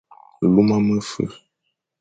Luma mefa,